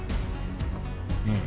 うん。